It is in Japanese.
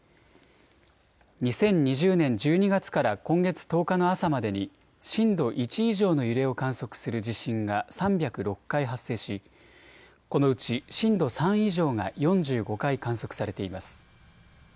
２０２０年１２月から今月１０日の朝までに震度１以上の揺れを観測する地震が３０６回発生しこのうち震度３以上が４５回観測されています。